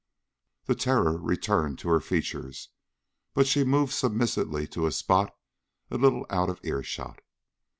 The terror returned to her features, but she moved submissively to a spot a little out of earshot.